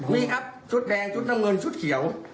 มีครับชุดแดงชุดน้ำเงินชุดเขียว